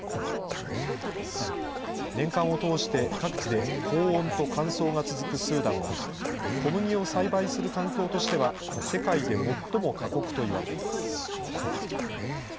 年間を通して、各地で高温と乾燥が続くスーダンは、小麦を栽培する環境としては世界で最も過酷といわれています。